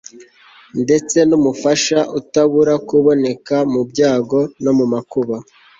ndetse n'umufasha utabura kuboneka mu byago no mu makuba